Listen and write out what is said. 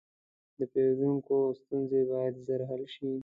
د پیرودونکو ستونزې باید ژر حل شي.